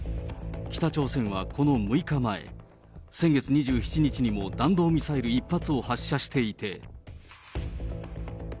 北朝鮮はこの６日前、先月２７日にも弾道ミサイル１発を発射していて。